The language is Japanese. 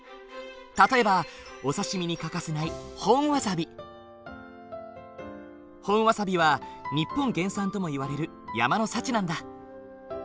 例えばお刺身に欠かせない本わさびは日本原産ともいわれる山の幸なんだ。